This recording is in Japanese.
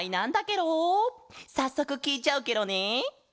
さっそくきいちゃうケロね！